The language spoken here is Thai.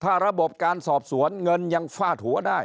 ถ้าระบบการสอบสวนเงินยังฟาดหัวได้